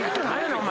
お前。